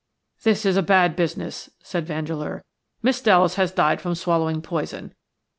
"This is a bad business," said Vandeleur. "Miss Dallas has died from swallowing poison.